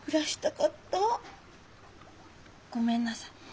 ごめんなさい。